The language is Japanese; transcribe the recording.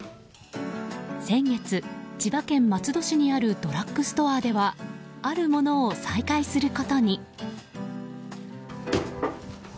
先月、千葉県松戸市にあるドラッグストアではあるものを再開することに。